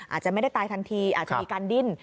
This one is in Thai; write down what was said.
อาจจะไม่ได้ตายทันทีอาจจะมีการดิ้น